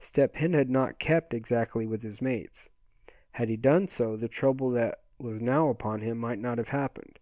Step Hen had not kept exactly with his mates; had he done so the trouble that was now upon him might not have happened.